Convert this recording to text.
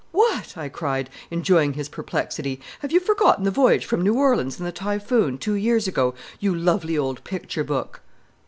"What!" I cried, enjoying his perplexity. "Have you forgotten the voyage from New Orleans in the Typhoon, two years ago, you lovely old picture book?"